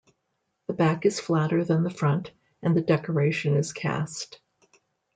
The back is flatter than the front, and the decoration is cast.